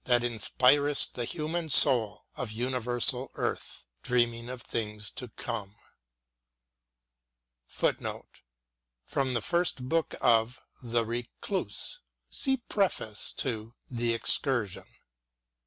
that inspir'st The human Soul of universal earth, Dreaming on things to come.* * From the first book of " The Recluse." See preface to " The Excursion."